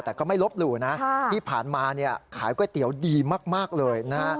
แต่ก็ไม่ลบหลู่นะที่ผ่านมาเนี่ยขายก๋วยเตี๋ยวดีมากเลยนะฮะ